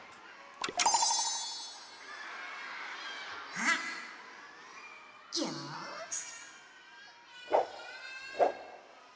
あっよし。